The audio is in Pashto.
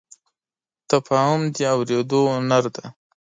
تفاهم د اورېدو هنر دی.